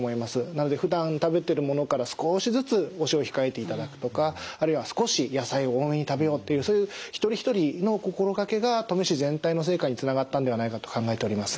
なのでふだん食べてるものから少しずつお塩控えていただくとかあるいは少し野菜を多めに食べようっていうそういう一人一人の心がけが登米市全体の成果につながったんではないかと考えております。